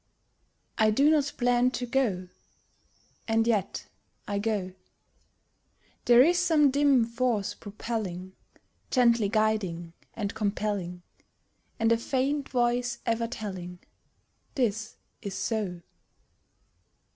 I do not plan to go, And yet I go. There is some dim force propelling, Gently guiding and compelling, And a faint voice ever telling "This is so."